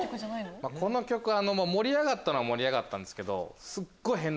この曲盛り上がったのは盛り上がったんですけど。